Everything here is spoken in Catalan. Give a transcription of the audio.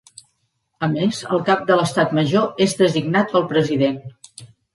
A més, el cap de l'Estat Major és designat pel president.